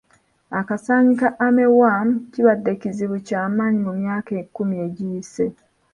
Akasaanyi ka armyworm kibadde kizibu ky'amaanyi mu myaka ekkumi egiyise.